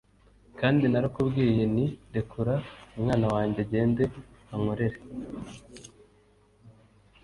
kandi narakubwiye nti rekura umwana wanjye agende ankorere;